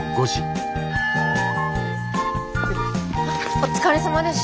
お疲れさまでした。